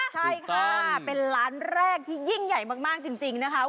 ใช่ค่ะเป็นร้านแรกที่ยิ่งใหญ่มากจริงนะคะ